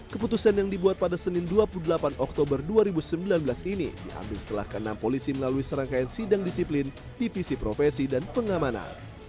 keputusan yang dibuat pada senin dua puluh delapan oktober dua ribu sembilan belas ini diambil setelah ke enam polisi melalui serangkaian sidang disiplin divisi profesi dan pengamanan